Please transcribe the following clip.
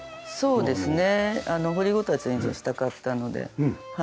そうですね掘り炬燵にしたかったので。